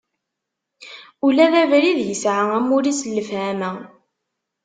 Ula d abrid, yesɛa amur-is n lefhama.